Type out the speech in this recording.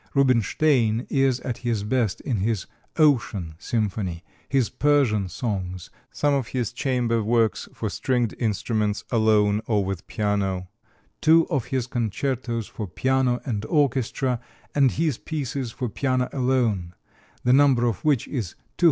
Rubinstein is at his best in his "Ocean" symphony, his Persian songs, some of his chamber works for stringed instruments, alone or with piano, two of his concertos for piano and orchestra, and his pieces for piano alone, the number of which is 238.